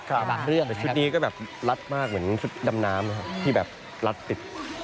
จุดนี้ก็แบบรัดมากเหมือนสุดดำน้ำอะครับที่แบบรัดติด